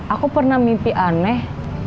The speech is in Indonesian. aku pernah mimpi aneh